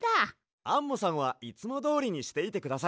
アンモさんはいつもどおりにしていてください。